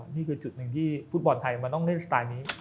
นี่คือจุดหนึ่งที่ฟุตบอลไทยมันต้องเล่นสไตล์นี้